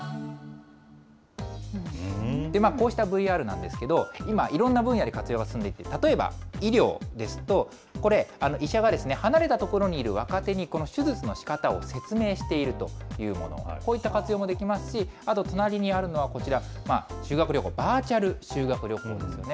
こうしたＶＲなんですけど、今、いろんな分野で活用が進んできていまして、例えば医療ですと、これ、医者が離れた所にいる若手にこの手術のしかたを説明しているというもの、こういった活用もできますし、あと、隣にあるのはこちら、修学旅行、バーチャル修学旅行なんですね。